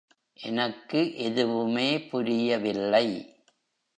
எனக்கு எதுவுமே புரியவில்லை.